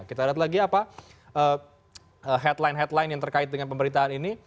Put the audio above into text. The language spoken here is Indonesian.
kita lihat lagi apa headline headline yang terkait dengan pemberitaan ini